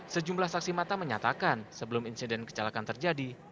sejumlah saksi mata menyatakan sebelum insiden kecelakaan terjadi